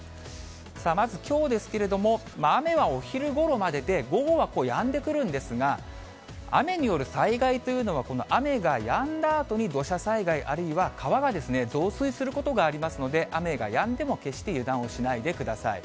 さあ、まずきょうですけれども、雨はお昼ごろまでで、午後はやんでくるんですが、雨による災害というのは、この雨がやんだあとに土砂災害、あるいは川が増水することがありますので、雨がやんでも決して油断をしないでください。